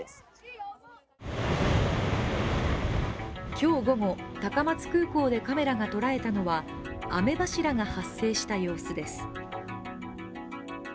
今日午後、高松空港でカメラが捉えたのは雨柱が発生した様子です。